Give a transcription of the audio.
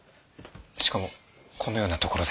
しかもこのような所で。